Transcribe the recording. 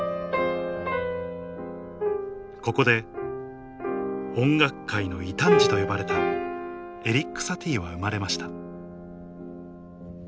ここで音楽界の異端児と呼ばれたエリック・サティは生まれました